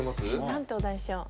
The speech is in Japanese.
何てお題しよう？